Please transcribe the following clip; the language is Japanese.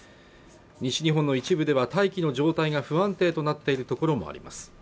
西日本の一部では大気の状態が不安定となっているところもあります